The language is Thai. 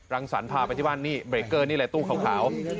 รังสรรพาไปที่บ้านนี่เบรกเกอร์นี่แหละตู้ขาว